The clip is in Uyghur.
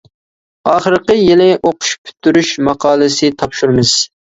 ئاخىرقى يىلى ئوقۇش پۈتتۈرۈش ماقالىسى تاپشۇرىمىز.